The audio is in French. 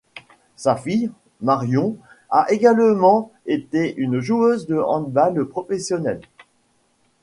Sa fille, Marion, a également été une joueuse de handball professionnelle.